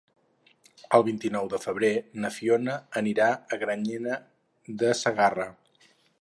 El vint-i-nou de febrer na Fiona anirà a Granyena de Segarra.